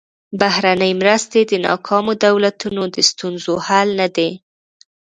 بهرنۍ مرستې د ناکامو دولتونو د ستونزو حل نه دي.